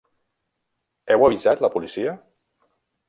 Heu avisat la policia?